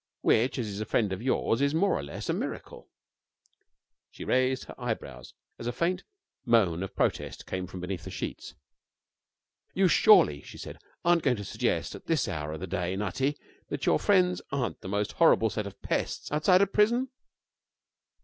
Which, as he's a friend of yours, is more or less of a miracle.' She raised her eyebrows as a faint moan of protest came from beneath the sheets. 'You surely,' she said, 'aren't going to suggest at this hour of the day, Nutty, that your friends aren't the most horrible set of pests outside a prison?